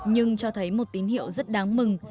nhưng cho thấy một tín hiệu rất đáng mừng